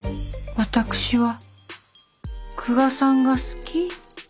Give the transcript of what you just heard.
私は久我さんが好き。